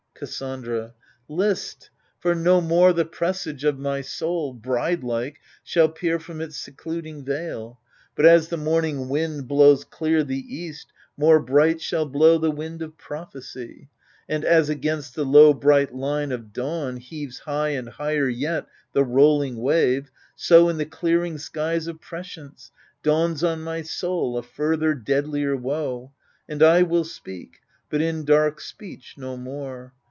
Cassandra List ! for no more the presage of my soul, Bride like, shall peer from its secluding veil ; But as the morning wind blows clear the east, More bright shall blow the wind of prophecy, And as against the low bright line of dawn Heaves high and higher yet the rolling wave, So in the clearing skies of prescience Dawns on my soul a further, deadlier woe. And I will speak, but in dark speech no more.